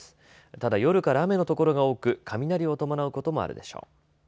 ただ夜から雨の所が多く雷を伴うこともあるでしょう。